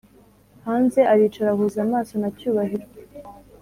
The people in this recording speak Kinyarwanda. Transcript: hanze aricara ahuza amaso na cyubahiro.